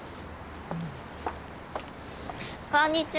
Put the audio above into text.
こんにちは。